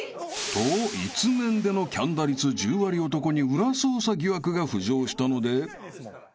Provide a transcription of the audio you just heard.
［といつメンでのキャン打率１０割男に裏操作疑惑が浮上したので］